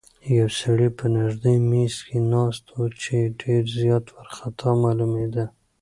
یو سړی په نږدې میز کې ناست و چې ډېر زیات وارخطا معلومېده.